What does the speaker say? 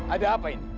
ada apa ini